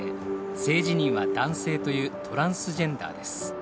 性自認は男性というトランスジェンダーです。